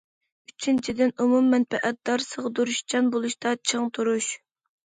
ئۈچىنچىدىن، ئومۇم مەنپەئەتدار، سىغدۇرۇشچان بولۇشتا چىڭ تۇرۇش.